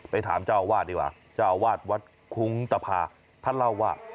ถามเจ้าอาวาสดีกว่าเจ้าอาวาสวัดคุ้งตภาท่านเล่าว่า